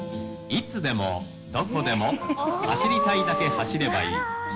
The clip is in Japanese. いつでもどこでも走りたいだけ走ればいい。